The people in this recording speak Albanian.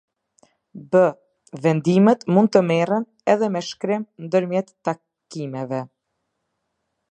B. Vendimet mund të merren edhe me shkrim ndërmjet takimeve.